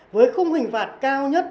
với khung hình phạt cao nhất